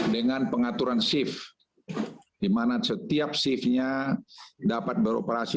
dengan pengaturan shift di mana setiap shiftnya dapat beroperasi